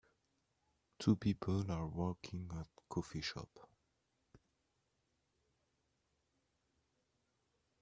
Two people are working at a coffee shop